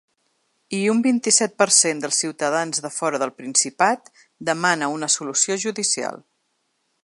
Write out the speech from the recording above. I un vint-i-set per cent dels ciutadans de fora del Principat demana una ‘solució judicial’.